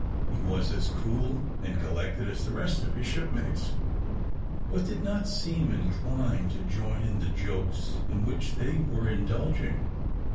He was as cool and collected as the rest of his shipmates, but did not seem inclined to join in the jokes in which they were indulging.